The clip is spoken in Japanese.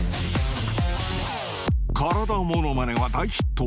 体モノマネは大ヒット。